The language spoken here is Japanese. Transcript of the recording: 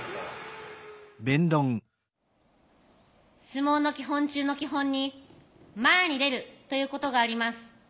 相撲の基本中の基本に「前に出る」ということがあります。